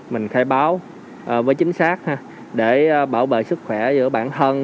mình khai báo và chính xác để bảo vệ sức khỏe giữa bản thân